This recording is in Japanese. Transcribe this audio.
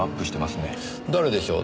誰でしょう？